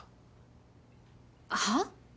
はっ？